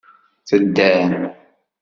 Teddam.